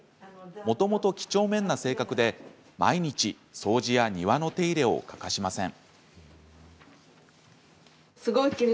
もともと、きちょうめんな性格で毎日、掃除や庭の手入れを欠かしません。